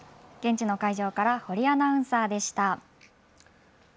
現地の会場から堀アナウンサーでした。